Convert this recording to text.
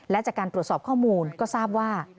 และจากการตรวจสอบข้อมูลก็ทราบว่า